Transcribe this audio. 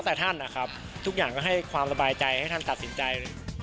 แต่ท่านนะครับทุกอย่างก็ให้ความสบายใจให้ท่านตัดสินใจ